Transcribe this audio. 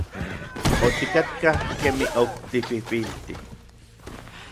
Otikatkaj kemij ok tipipiltij.